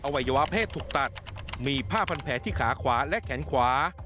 วัยวะเพศถูกตัดมีผ้าพันแผลที่ขาขวาและแขนขวา